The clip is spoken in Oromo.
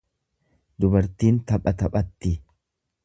Dubartiin tapha taphatti.